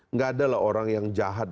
nggak ada lah orang yang jahat